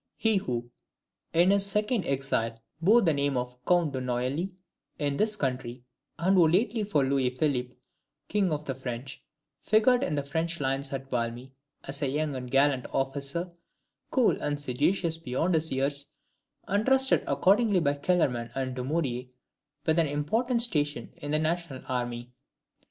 He who, in his second exile, bore the name of the Count de Neuilly in this country, and who lately was Louis Philippe, King of the French, figured in the French lines at Valmy, as a young and gallant officer, cool and sagacious beyond his years, and trusted accordingly by Kellerman and Dumouriez with an important station in the national army.